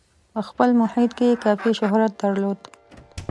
په خپل محیط کې یې کافي شهرت درلود.